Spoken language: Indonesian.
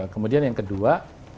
kemudian yang kedua